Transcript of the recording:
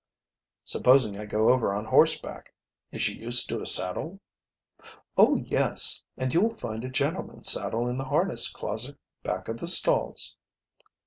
"Supposing I go over on horseback? Is she used to a saddle?" "Oh, yes, and you will find a gentleman's saddle in the harness closet back of the stalls."